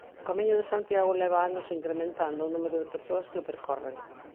O Camiño de Santiago leva anos incrementando o número de persoas que o percorren.